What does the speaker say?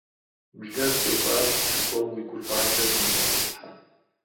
Блэр пӏыщӏащ жыпӏэу уи гуфӏакӏэ думыгъэтӏысхьэ.